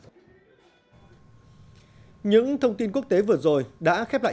tuy nhiên trong phiên giao dịch ngày hai mươi hai tháng một mươi hai vừa qua giá trị của đồng tiền này đã sụt giảm tới ba mươi